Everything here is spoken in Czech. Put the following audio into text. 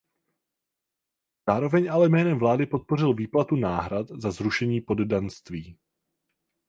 Zároveň ale jménem vlády podpořil výplatu náhrad za zrušení poddanství.